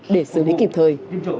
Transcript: để xử lý kịp thời